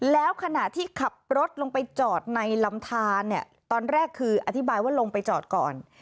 แล้วขณะที่ขับรถลงไปจอดในลำทานเนี่ยตอนแรกคืออธิบายว่าลงไปจอดก่อน